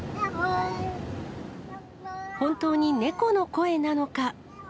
本当に猫の声なのか？